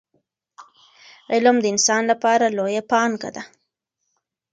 علم د انسان لپاره لویه پانګه ده.